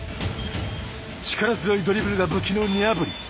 力強いドリブルが武器のニャブリ。